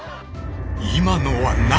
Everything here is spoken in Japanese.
今のは何！？